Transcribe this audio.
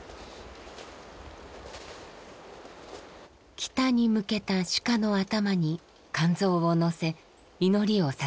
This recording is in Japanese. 北に向けた鹿の頭に肝臓をのせ祈りを捧げます。